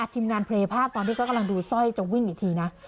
ทีมงานเพลย์ภาพตอนที่เขากำลังดูสร้อยจะวิ่งอีกทีนะ